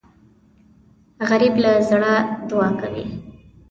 غریب له زړه دعا کوي